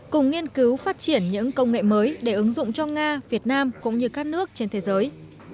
cùng nghiên cứu phát triển những công nghệ mới để ứng dụng cho nga việt nam cũng như các nước trên thế giới